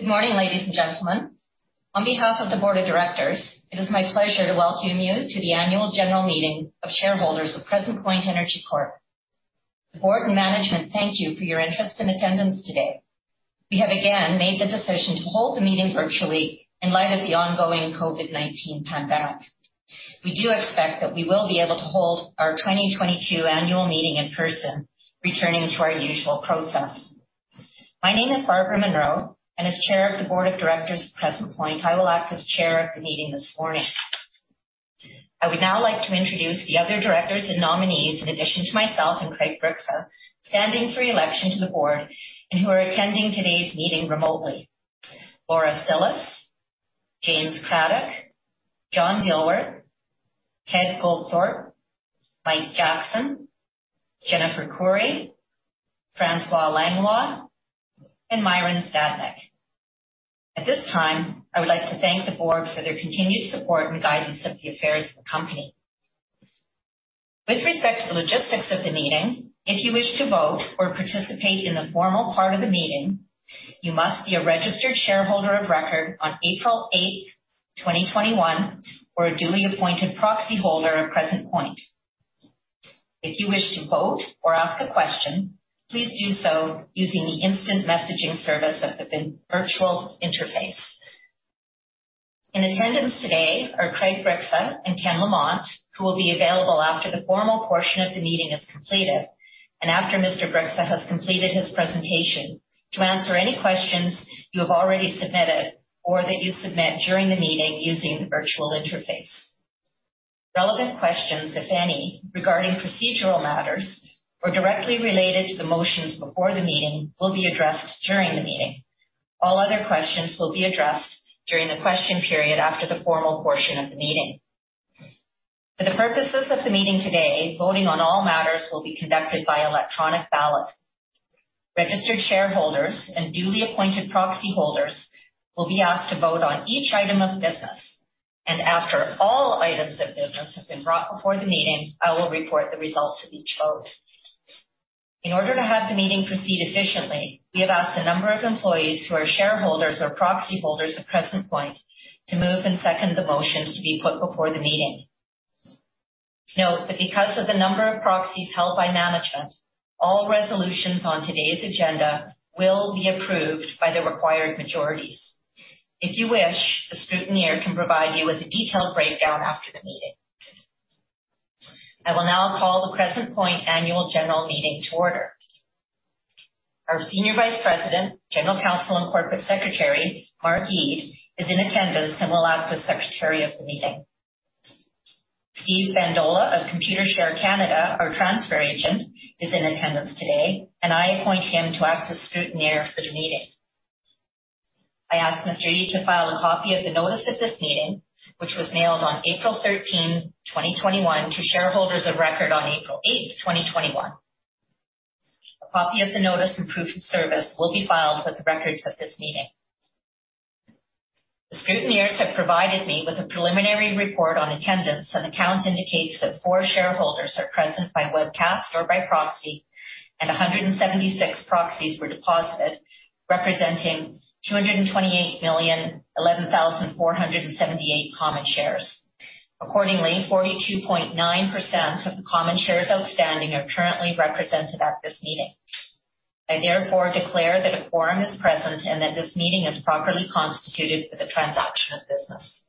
Good morning, ladies and gentlemen. On behalf of the Board of Directors, it is my pleasure to welcome you to the annual general meeting of shareholders of Crescent Point Energy Corp. The Board and management thank you for your interest and attendance today. We have again made the decision to hold the meeting virtually in light of the ongoing COVID-19 pandemic. We do expect that we will be able to hold our 2022 annual meeting in person, returning to our usual process. My name is Barbara Munroe, and as Chair of the Board of Directors at Crescent Point, I will act as chair at the meeting this morning. I would now like to introduce the other directors and nominees in addition to myself and Craig Bryksa, standing for election to the Board and who are attending today's meeting remotely. Laura Cillis, James Craddock, John Gilbert, Ted Goldthorpe, Mike Jackson, Jennifer Koury, François Langlois, and Myron Stadnyk. At this time, I would like to thank the board for their continued support and guidance of the affairs of the company. With respect to the logistics of the meeting, if you wish to vote or participate in the formal part of the meeting, you must be a registered shareholder of record on April 8th, 2021, or a duly appointed proxy holder of Crescent Point. If you wish to vote or ask a question, please do so using the instant messaging service at the virtual interface. In attendance today are Craig Bryksa and Ken Lamont, who will be available after the formal portion of the meeting is completed and after Mr. Bryksa has completed his presentation to answer any questions you have already submitted or that you submit during the meeting using the virtual interface. Relevant questions, if any, regarding procedural matters or directly related to the motions before the meeting will be addressed during the meeting. All other questions will be addressed during the question period after the formal portion of the meeting. For the purposes of the meeting today, voting on all matters will be conducted by electronic ballot. Registered shareholders and duly appointed proxy holders will be asked to vote on each item of business, after all items of business have been brought before the meeting, I will report the results of each vote. In order to have the meeting proceed efficiently, we have asked a number of employees who are shareholders or proxy holders of Crescent Point to move and second the motions to be put before the meeting. Note that because of the number of proxies held by management, all resolutions on today's agenda will be approved by the required majorities. If you wish, the scrutineer can provide you with a detailed breakdown after the meeting. I will now call the Crescent Point annual general meeting to order. Our Senior Vice President, General Counsel, and Corporate Secretary, Mark Eade, is in attendance and will act as secretary of the meeting. Steve Bandola of Computershare Canada, our transfer agent, is in attendance today, and I appoint him to act as scrutineer for the meeting. I ask Mr. Eade to file a copy of the notice of this meeting, which was mailed on April 13th, 2021, to shareholders of record on April 8th, 2021. A copy of the notice and proof of service will be filed with the records of this meeting. The scrutineers have provided me with a preliminary report on attendance, and accounts indicate that four shareholders are present by webcast or by proxy, and 176 proxies were deposited, representing 228,011,478 common shares. 42.9% of the common shares outstanding are currently represented at this meeting. I therefore declare that a quorum is present and that this meeting is properly constituted for the transaction of business.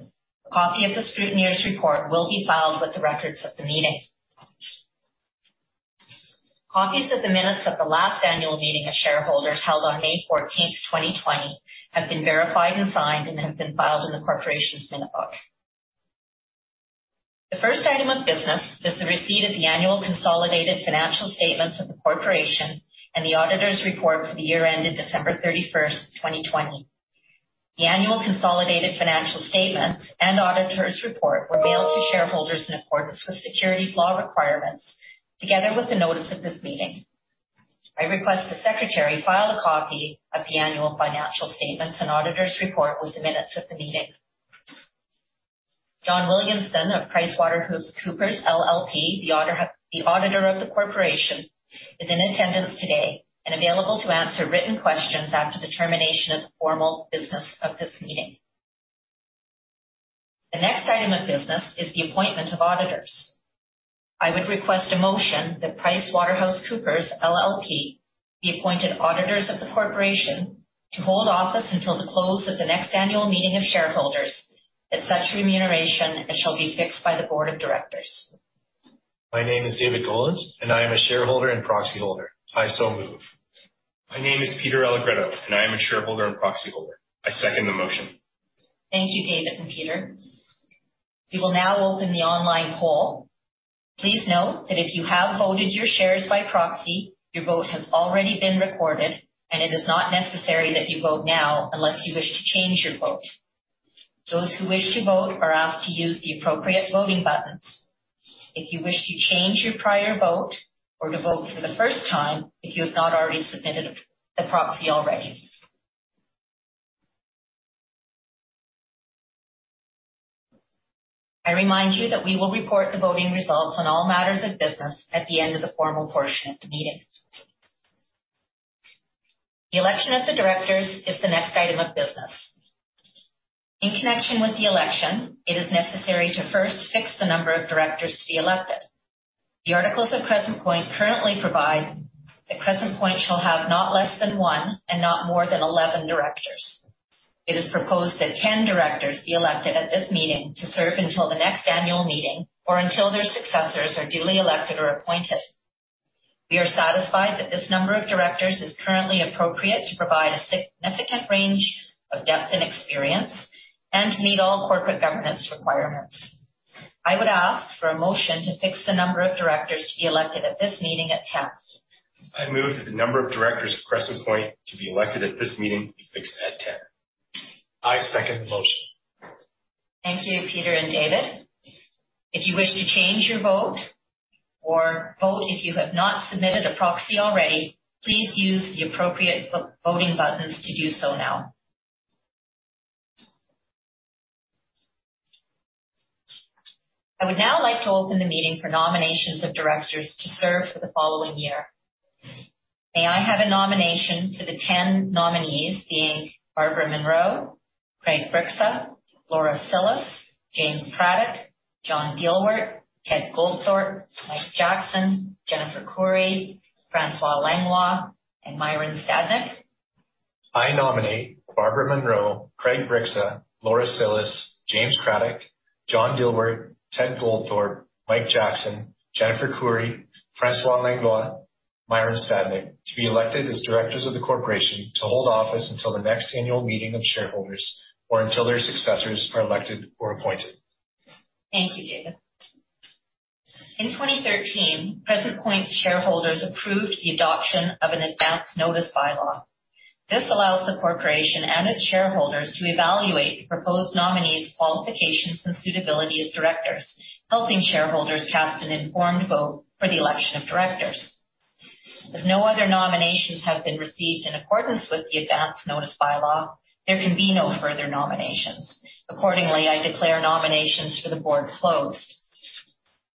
A copy of the scrutineers' report will be filed with the records of the meeting. Copies of the minutes of the last annual meeting of shareholders held on May 14th, 2020, have been verified and signed and have been filed in the corporation's minute book. The first item of business is the receipt of the annual consolidated financial statements of the corporation and the auditor's report for the year ended December 31st, 2020. The annual consolidated financial statements and auditor's report were mailed to shareholders in accordance with securities law requirements together with the notice of this meeting. I request the secretary file a copy of the annual financial statements and auditor's report with the minutes of the meeting. John Williamson of PricewaterhouseCoopers LLP, the auditor of the corporation, is in attendance today and available to answer written questions after the termination of the formal business of this meeting. The next item of business is the appointment of auditors. I would request a motion that PricewaterhouseCoopers LLP, the appointed auditors of the corporation, to hold office until the close of the next annual meeting of shareholders at such remuneration as shall be fixed by the board of directors. My name is David Goland, and I am a shareholder and proxy holder. I so move. My name is Peter [Algero], and I am a shareholder and proxy holder. I second the motion. Thank you, David and Peter. We will now open the online poll. Please note that if you have voted your shares by proxy, your vote has already been recorded, and it is not necessary that you vote now unless you wish to change your vote. Those who wish to vote are asked to use the appropriate voting buttons. If you wish to change your prior vote or to vote for the first time, if you have not already submitted a proxy already. I remind you that we will report the voting results on all matters of business at the end of the formal portion of the meeting. The election of the directors is the next item of business. In connection with the election, it is necessary to first fix the number of directors to be elected. The articles of Crescent Point currently provide that Crescent Point shall have not less than one and not more than 11 directors. It is proposed that 10 directors be elected at this meeting to serve until the next annual meeting or until their successors are duly elected or appointed. We are satisfied that this number of directors is currently appropriate to provide a significant range of depth and experience and to meet all corporate governance requirements. I would ask for a motion to fix the number of directors to be elected at this meeting at 10. I move that the number of directors of Crescent Point to be elected at this meeting be fixed at 10:00 A.M. I second the motion. Thank you, Peter and David. If you wish to change your vote or vote if you have not submitted a proxy already, please use the appropriate voting buttons to do so now. I would now like to open the meeting for nominations of directors to serve for the following year. May I have a nomination for the 10 nominees being Barbara Munroe, Craig Bryksa, Laura Cillis, James Craddock, John Gilbert, Ted Goldthorpe, Mike Jackson, Jennifer Koury, François Langlois, and Myron Stadnyk? I nominate Barbara Munroe, Craig Bryksa, Laura Cillis, James Craddock, John Gilbert, Ted Goldthorpe, Mike Jackson, Jennifer Koury, François Langlois, Myron Stadnyk, to be elected as directors of the corporation to hold office until the next annual meeting of shareholders or until their successors are elected or appointed. Thank you, David. In 2013, Crescent Point shareholders approved the adoption of an advance notice by-law. This allows the corporation and its shareholders to evaluate the proposed nominees' qualifications and suitability as directors, helping shareholders cast an informed vote for the election of directors. No other nominations have been received in accordance with the advance notice by-law, there can be no further nominations. I declare nominations for the board closed.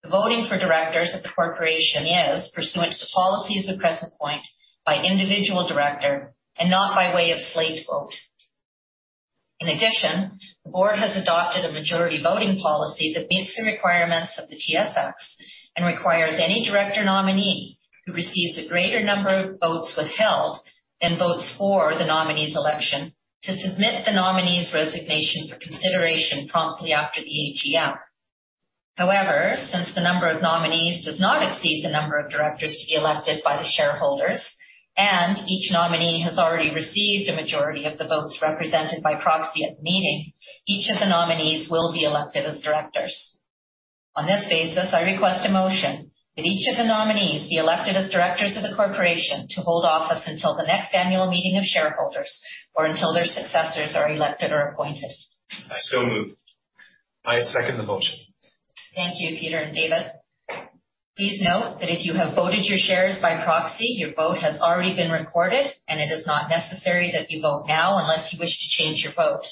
The voting for directors of the corporation is pursuant to policies of Crescent Point by individual director and not by way of slate vote. The board has adopted a majority voting policy that meets the requirements of the TSX and requires any director nominee who receives a greater number of votes withheld than votes for the nominee's election to submit the nominee's resignation for consideration promptly after the AGM. However, since the number of nominees does not exceed the number of directors to be elected by the shareholders and each nominee has already received a majority of the votes represented by proxy at the meeting, each of the nominees will be elected as directors. On this basis, I request a motion that each of the nominees be elected as directors of the corporation to hold office until the next annual meeting of shareholders or until their successors are elected or appointed. I so move. I second the motion. Thank you, Peter and David. Please note that if you have voted your shares by proxy, your vote has already been recorded, and it is not necessary that you vote now unless you wish to change your vote.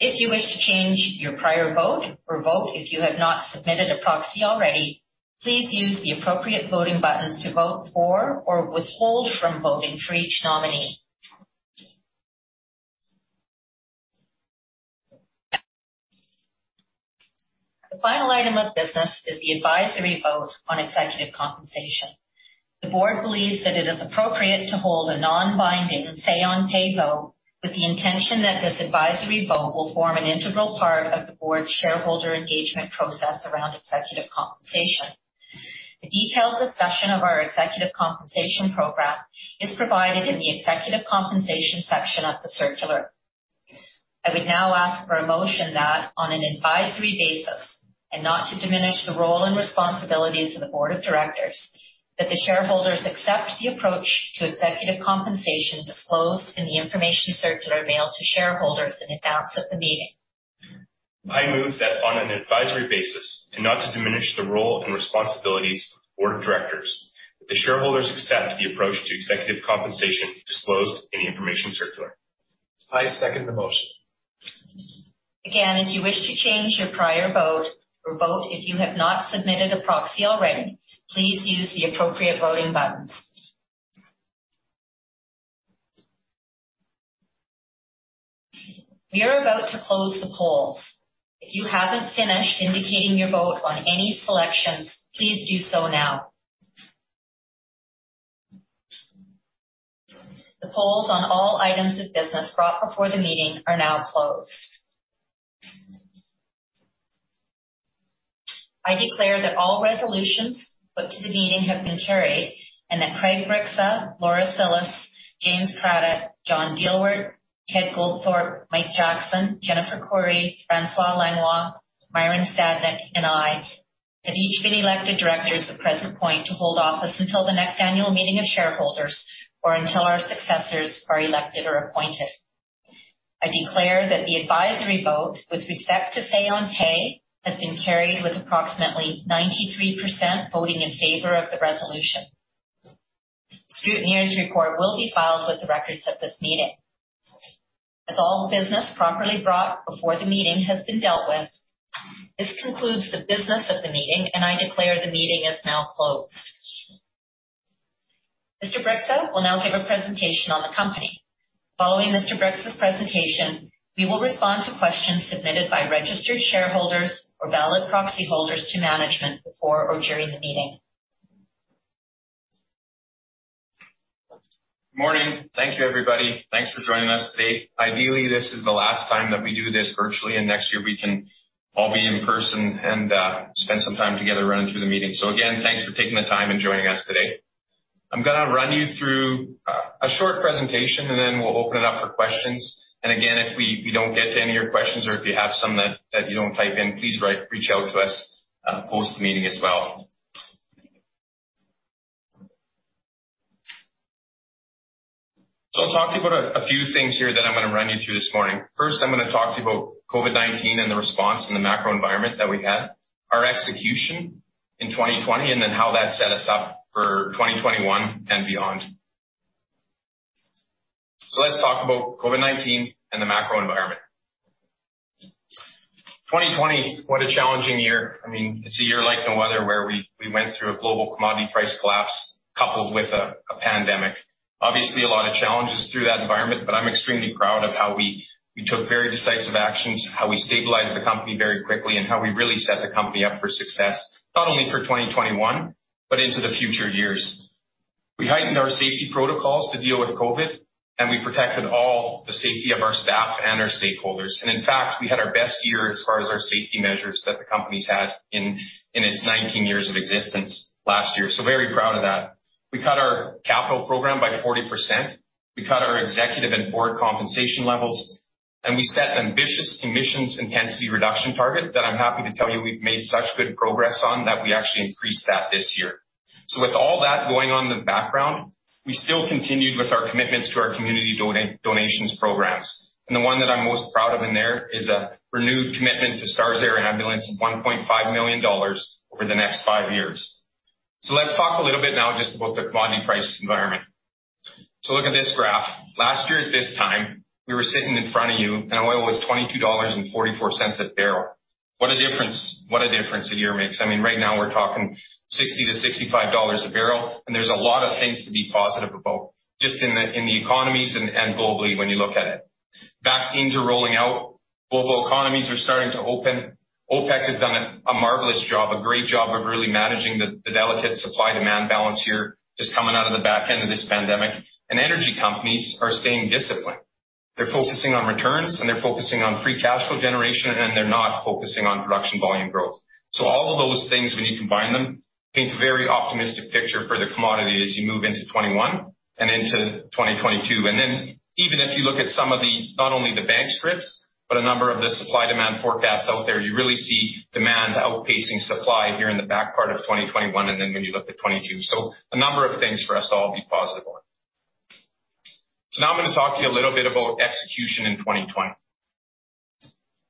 If you wish to change your prior vote or vote if you have not submitted a proxy already, please use the appropriate voting buttons to vote for or withhold from voting for each nominee. The final item of business is the advisory vote on executive compensation. The board believes that it is appropriate to hold a non-binding say on pay vote with the intention that this advisory vote will form an integral part of the board's shareholder engagement process around executive compensation. A detailed discussion of our executive compensation program is provided in the executive compensation section of the circular. I would now ask for a motion that on an advisory basis, and not to diminish the role and responsibilities of the board of directors, that the shareholders accept the approach to executive compensation disclosed in the information circular mailed to shareholders in advance of the meeting. I move that on an advisory basis, and not to diminish the role and responsibilities of the board of directors, that the shareholders accept the approach to executive compensation disclosed in the information circular. I second the motion. Again, if you wish to change your prior vote or vote if you have not submitted a proxy already, please use the appropriate voting buttons. We are about to close the polls. If you haven't finished indicating your vote on any selections, please do so now. The polls on all items of business brought before the meeting are now closed. I declare that all resolutions put to the meeting have been carried and that Craig Bryksa, Laura Cillis, James Craddock, John Gilbert, Ted Goldthorpe, Mike Jackson, Jennifer Koury, François Langlois, Myron Stadnyk, and I have each been elected directors of Crescent Point to hold office until the next annual meeting of shareholders or until our successors are elected or appointed. I declare that the advisory vote with respect to say on pay has been carried with approximately 93% voting in favor of the resolution. Scrutineer's report will be filed with the records of this meeting. As all business properly brought before the meeting has been dealt with, this concludes the business of the meeting, and I declare the meeting is now closed. Mr. Bryksa will now give a presentation on the company. Following Mr. Bryksa's presentation, we will respond to questions submitted by registered shareholders or valid proxy holders to management before or during the meeting. Morning. Thank you everybody. Thanks for joining us today. Ideally, this is the last time that we do this virtually. Next year we can all be in person and spend some time together running through the meeting. Again, thanks for taking the time and joining us today. I'm going to run you through a short presentation. We'll open it up for questions. Again, if we don't get to any of your questions or if you have some that you don't type in, please reach out to us post the meeting as well. I'll talk to you about a few things here that I'm going to run you through this morning. First, I'm going to talk to you about COVID-19 and the response in the macro environment that we had, our execution in 2020. How that set us up for 2021 and beyond. Let's talk about COVID-19 and the macro environment. 2020, what a challenging year. It's a year like no other, where we went through a global commodity price collapse coupled with a pandemic. Obviously, a lot of challenges through that environment, but I'm extremely proud of how we took very decisive actions, how we stabilized the company very quickly, and how we really set the company up for success, not only for 2021, but into the future years. We heightened our safety protocols to deal with COVID, and we protected all the safety of our staff and our stakeholders. And in fact, we had our best year as far as our safety measures that the company's had in its 19 years of existence last year. Very proud of that. We cut our capital program by 40%. We cut our executive and board compensation levels. We set ambitious emissions intensity reduction target that I'm happy to tell you we've made such good progress on that we actually increased that this year. With all that going on in the background, we still continued with our commitments to our community donations programs. The one that I'm most proud of in there is a renewed commitment to STARS Air Ambulance of 1.5 million dollars over the next five years. Let's talk a little bit now just about the commodity price environment. Look at this graph. Last year at this time, we were sitting in front of you and oil was 22.44 dollars a bbl. What a difference a year makes. Right now, we're talking 60-65 dollars a bbl. There's a lot of things to be positive about just in the economies and globally when you look at it. Vaccines are rolling out. Global economies are starting to open. OPEC has done a marvelous job, a great job of really managing the delicate supply-demand balance here just coming out of the back end of this pandemic. Energy companies are staying disciplined. They're focusing on returns, and they're focusing on free cash flow generation, and they're not focusing on production volume growth. All of those things, when you combine them, paint a very optimistic picture for the commodity as you move into 2021 and into 2022. Even if you look at some of the, not only the bank scripts, but a number of the supply-demand forecasts out there, you really see demand outpacing supply here in the back part of 2021 and then when you look to 2022. A number of things for us to all be positive on. Now I'm going to talk to you a little bit about execution in 2020.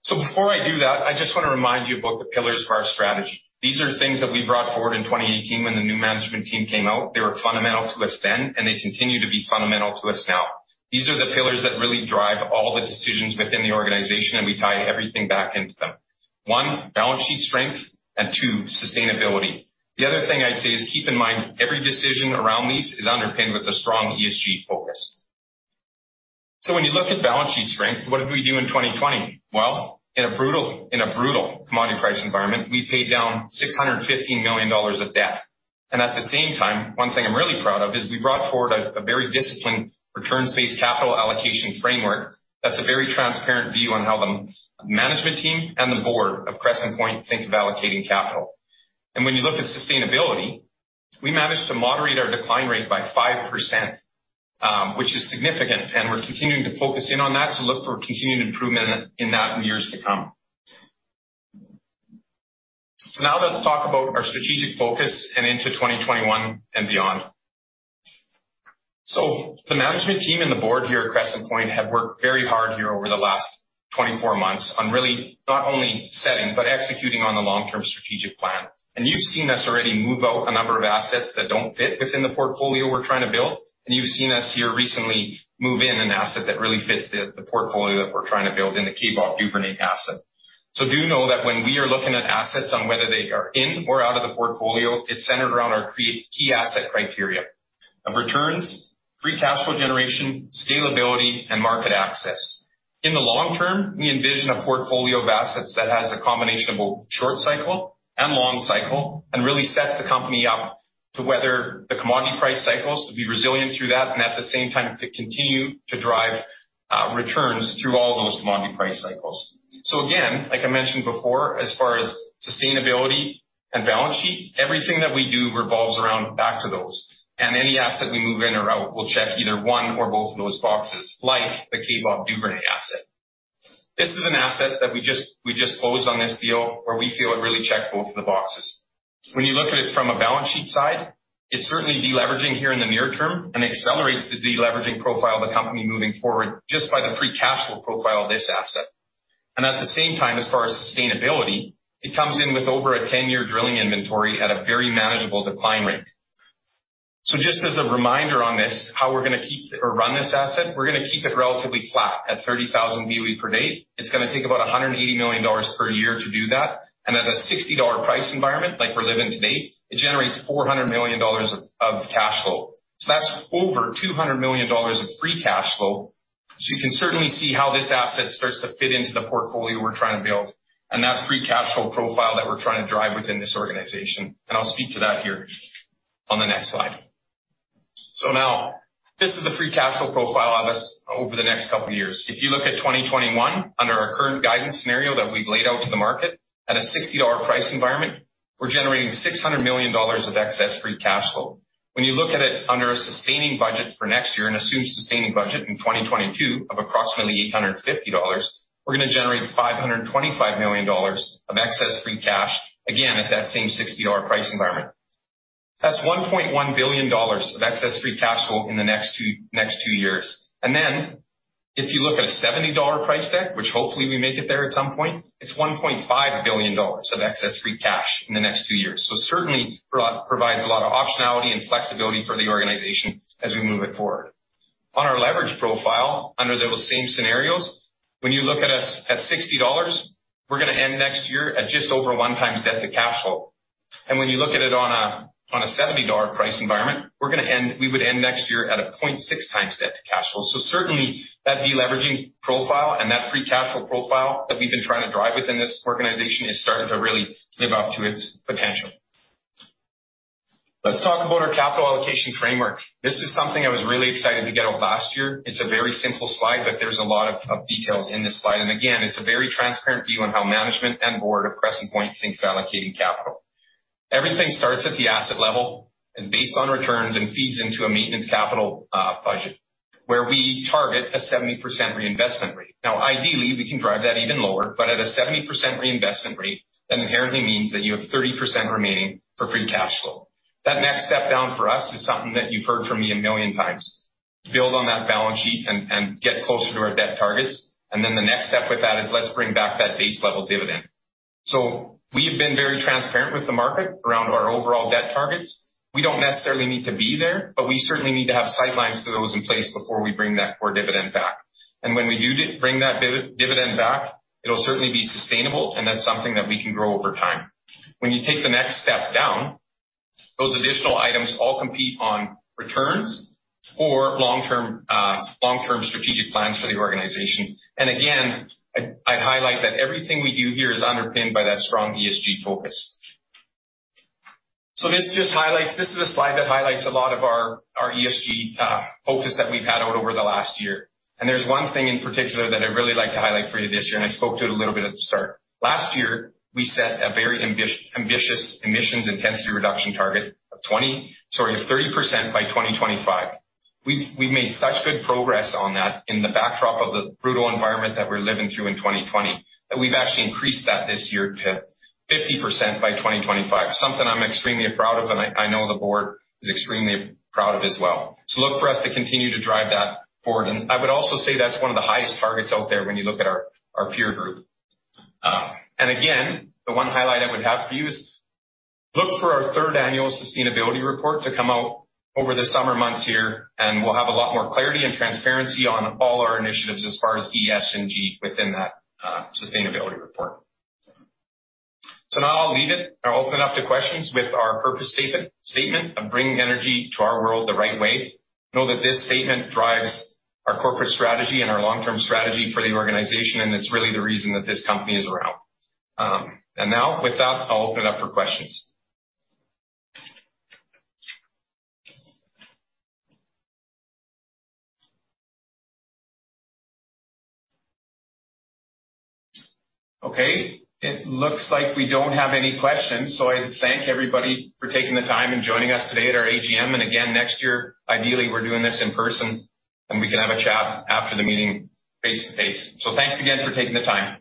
Before I do that, I just want to remind you about the pillars of our strategy. These are things that we brought forward in 2018 when the new management team came out. They were fundamental to us then, and they continue to be fundamental to us now. These are the pillars that really drive all the decisions within the organization, and we tie everything back into them. One, balance sheet strength, and two, sustainability. The other thing I'd say is keep in mind, every decision around these is underpinned with a strong ESG focus. When you look at balance sheet strength, what did we do in 2020? Well, in a brutal commodity price environment, we paid down 650 million dollars of debt. At the same time, one thing I'm really proud of is we brought forward a very disciplined returns-based capital allocation framework that's a very transparent view on how the management team and the board of Crescent Point think of allocating capital. When you look at sustainability, we managed to moderate our decline rate by 5%, which is significant, and we're continuing to focus in on that to look for continued improvement in that in years to come. Now let's talk about our strategic focus and into 2021 and beyond. The management team and the board here at Crescent Point have worked very hard here over the last 24 months on really not only setting but executing on the long-term strategic plan. You've seen us already move out a number of assets that don't fit within the portfolio we're trying to build. You've seen us here recently move in an asset that really fits the portfolio that we're trying to build in the Kaybob-Duvernay asset. Do know that when we are looking at assets on whether they are in or out of the portfolio, it's centered around our key asset criteria of returns, free cash flow generation, sustainability, and market access. In the long term, we envision a portfolio of assets that has a combination of both short cycle and long cycle and really sets the company up to weather the commodity price cycles, to be resilient through that, and at the same time, to continue to drive returns through all those commodity price cycles. Again, like I mentioned before, as far as sustainability and balance sheet, everything that we do revolves around back to those. Any asset we move in or out will check either one or both of those boxes, like the Kaybob-Duvernay asset. This is an asset that we just closed on this deal where we feel it really checked both of the boxes. When you look at it from a balance sheet side, it's certainly de-leveraging here in the near term and accelerates the de-leveraging profile of the company moving forward just by the free cash flow profile of this asset. At the same time, as far as sustainability, it comes in with over a 10-year drilling inventory at a very manageable decline rate. Just as a reminder on this, how we're going to keep or run this asset, we're going to keep it relatively flat at 30,000 BOE per day. It's going to take about 180 million dollars per year to do that. At a 60 dollar price environment like we're living today, it generates 400 million dollars of cash flow. That's over 200 million dollars of free cash flow. You can certainly see how this asset starts to fit into the portfolio we're trying to build, and that free cash flow profile that we're trying to drive within this organization. I'll speak to that here on the next slide. Now this is the free cash flow profile of this over the next couple of years. If you look at 2021, under our current guidance scenario that we've laid out to the market at a 60 dollar price environment, we're generating 600 million dollars of excess free cash flow. When you look at it under a sustaining budget for next year and assumed sustaining budget in 2022 of approximately 850 dollars, we're going to generate 525 million dollars of excess free cash, again, at that same 60 dollar price environment. That's 1.1 billion dollars of excess free cash flow in the next two years. If you look at a 70 dollar price tag, which hopefully we make it there at some point, it's 1.5 billion dollars of excess free cash in the next two years. It certainly provides a lot of optionality and flexibility for the organization as we move it forward. On our leverage profile, under those same scenarios, when you look at us at 60 dollars, we're going to end next year at just over one times debt to cash flow. When you look at it on a 70 dollar price environment, we would end next year at a 0.6x debt to cash flow. Certainly that deleveraging profile and that free cash flow profile that we've been trying to drive within this organization is starting to really live up to its potential. Let's talk about our capital allocation framework. This is something I was really excited to get out last year. It's a very simple slide, but there's a lot of details in this slide. Again, it's a very transparent view on how management and board of Crescent Point think of allocating capital. Everything starts at the asset level and based on returns and feeds into a maintenance capital budget where we target a 70% reinvestment rate. Now, ideally, we can drive that even lower, but at a 70% reinvestment rate, that inherently means that you have 30% remaining for free cash flow. That next step down for us is something that you've heard from me a million times, build on that balance sheet and get closer to our debt targets. Then the next step with that is let's bring back that base level dividend. We have been very transparent with the market around our overall debt targets. We don't necessarily need to be there, but we certainly need to have sidelines to those in place before we bring that core dividend back. When we do bring that dividend back, it'll certainly be sustainable, and that's something that we can grow over time. When you take the next step down, those additional items all compete on returns or long-term strategic plans for the organization. Again, I'd highlight that everything we do here is underpinned by that strong ESG focus. This is a slide that highlights a lot of our ESG focus that we've had over the last year. There's one thing in particular that I'd really like to highlight for you this year, and I spoke to it a little bit at the start. Last year, we set a very ambitious emissions intensity reduction target of 30% by 2025. We made such good progress on that in the backdrop of the brutal environment that we're living through in 2020, that we've actually increased that this year to 50% by 2025. Something I'm extremely proud of, and I know the board is extremely proud of as well. Look for us to continue to drive that forward. I would also say that's one of the highest targets out there when you look at our peer group. Again, the one highlight I would have for you is look for our third annual sustainability report to come out over the summer months here, and we'll have a lot more clarity and transparency on all our initiatives as far as ESG within that sustainability report. Now I'll leave it and open up the questions with our purpose statement of bringing energy to our world the right way. Know that this statement drives our corporate strategy and our long-term strategy for the organization, and it's really the reason that this company is around. Now with that, I'll open up for questions. Okay, it looks like we don't have any questions. I thank everybody for taking the time and joining us today at our AGM. Again, next year, ideally, we're doing this in person, and we can have a chat after the meeting face-to-face. Thanks again for taking the time.